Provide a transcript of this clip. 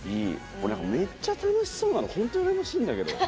めっちゃ楽しそうなの本当にうらやましいんだけど。